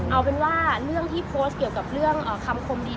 เอาเป็นว่าเรื่องที่โพสต์เกี่ยวกับเรื่องคำคมดี